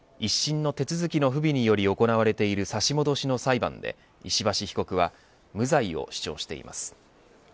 一審の手続きの不備により行われている差し戻しの裁判で石橋被告は無罪を主張しています。